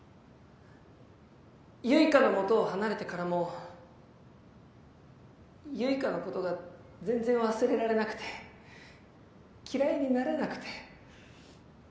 結花のもとを離れてからも結花のことが全然忘れられなくて嫌いになれなくて。